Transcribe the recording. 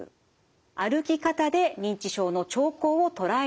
歩き方で認知症の兆候を捉える研究。